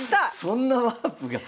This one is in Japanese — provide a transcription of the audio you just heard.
そんなワープが。